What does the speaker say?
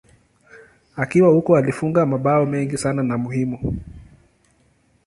Akiwa huko alifunga mabao mengi sana na muhimu.